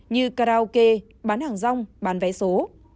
như karaoke bán hàng rong bán vé số